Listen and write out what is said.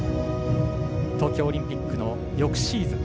東京オリンピックの翌シーズン。